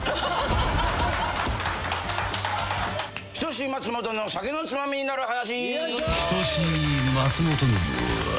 『人志松本の酒のツマミになる話』